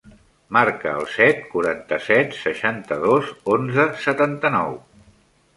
Marca el set, quaranta-set, seixanta-dos, onze, setanta-nou.